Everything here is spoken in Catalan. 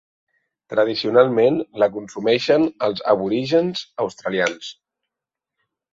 Tradicionalment la consumeixen els aborígens australians.